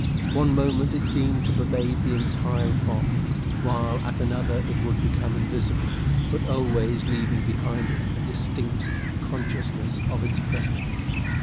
One moment it seemed to pervade the entire apartment, while at another it would become invisible, but always leaving behind it a distinct consciousness of its presence.